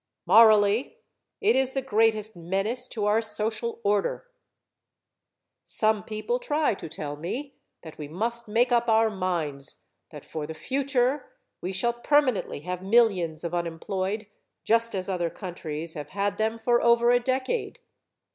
Morally, it is the greatest menace to our social order. Some people try to tell me that we must make up our minds that for the future we shall permanently have millions of unemployed just as other countries have had them for over a decade.